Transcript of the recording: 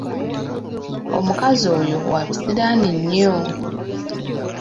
Omukazi oyo wabisiraani nnyo!